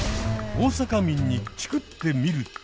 大阪民にチクってみると。